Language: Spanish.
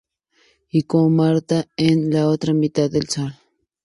Y Como Martha en "La otra mitad del sol".